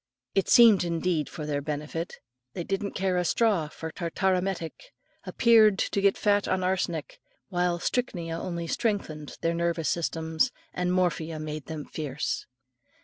It seemed indeed for their benefit: they didn't care a straw for tartar emetic, appeared to get fat on arsenic, while strychnia only strengthened their nervous systems, and morphia made them fierce.